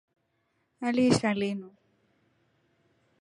Aliisha linu.